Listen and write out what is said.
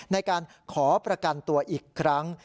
ในการขอประกันตัวอีกครั้ง